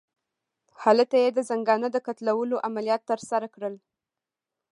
هلته یې د زنګانه د کتلولو عملیات ترسره کړل.